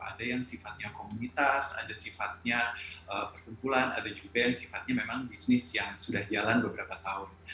ada yang sifatnya komunitas ada sifatnya perkumpulan ada juga yang sifatnya memang bisnis yang sudah jalan beberapa tahun